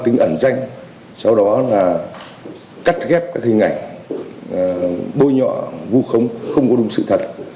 tính ẩn danh sau đó là cắt ghép các hình ảnh bôi nhọ vu khống không có đúng sự thật